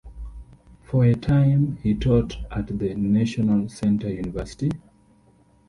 For a time he taught at the National Center University.